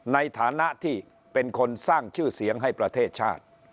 ในฐานะที่เป็นคนสร้างชื่อเสียงให้ประเทศชาติ